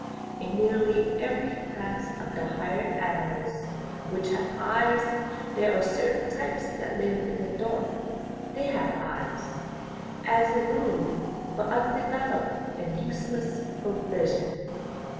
In nearly every class of the higher animals which have eyes there are certain types that live in the dark ; they have eyes, as a rule, but undeveloped and useless for vision.